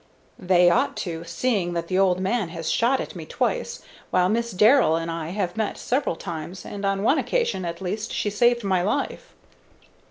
"They ought to, seeing that the old man has shot at me twice; while Miss Darrell and I have met several times, and on one occasion, at least, she saved my life."